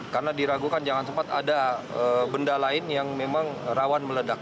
karena diragukan jangan sempat ada benda lain yang memang rawan meledak